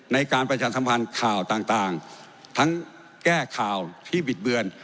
ในการประชาสัมพันธ์ข่าวต่างทั้งแก้ข่าวที่บิดเบือน